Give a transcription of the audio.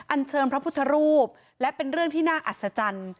อันเชิญพระพุทธรูปและเป็นเรื่องที่น่าอัศจรรย์